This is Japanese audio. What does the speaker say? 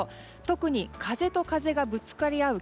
特に、風と風がぶつかり合う